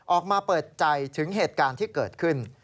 ออกมาเปิดใจถึงเหตุการณ์ที่เกิดขึ้น